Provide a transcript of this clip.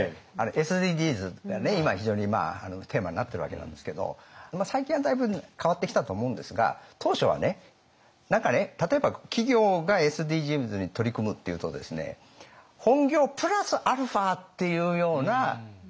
ＳＤＧｓがね今非常にテーマになってるわけなんですけど最近はだいぶ変わってきたと思うんですが当初はね何かね例えば企業がＳＤＧｓに取り組むっていうと本業プラスアルファっていうようなイメージ。